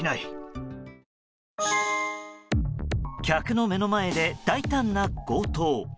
客の目の前で大胆な強盗。